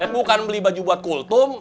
bukan beli baju buat kultum